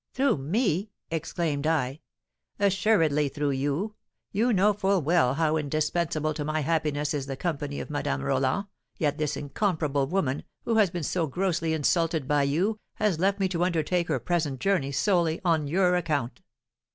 'Through me?' exclaimed I. 'Assuredly, through you; you know full well how indispensable to my happiness is the company of Madame Roland, yet this incomparable woman, who has been so grossly insulted by you, has left me to undertake her present journey solely on your account.'